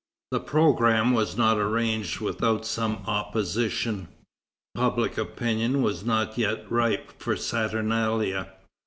The programme was not arranged without some opposition. Public opinion was not yet ripe for saturnalia.